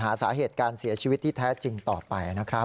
หาสาเหตุการเสียชีวิตที่แท้จริงต่อไปนะครับ